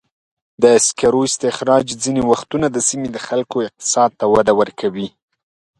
د سکرو استخراج ځینې وختونه د سیمې د خلکو اقتصاد ته وده ورکوي.